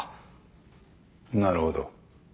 なるほど。